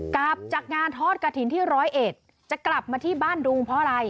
กลับจากงานทอดกระถิ่นที่ร้อยเอ็ดจะกลับมาที่บ้านดุงเพราะอะไร